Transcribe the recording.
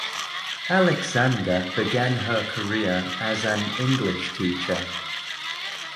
Alexander began her career as an English teacher.